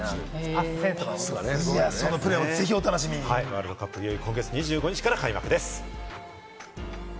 バスケットボールワールドカップはいよいよ今月２５日から開幕です。